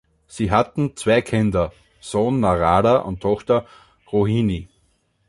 Sie hatten zwei Kinder, Sohn Narada und Tochter Rohini.